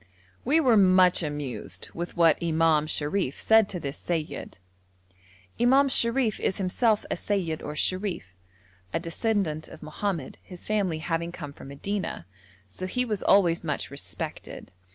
We were much amused with what Imam Sharif said to this seyyid. Imam Sharif is himself a seyyid or sherif, a descendant of Mohammed, his family having come from Medina, so he was always much respected.